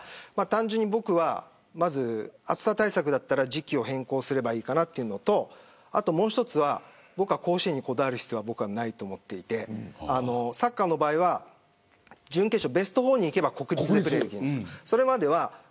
僕は暑さ対策だったら時期を変更すればいいかなというのともう一つは僕は甲子園にこだわる必要はないと思っていてサッカーの場合は準決勝、ベスト４にいけば国立に行けるんです。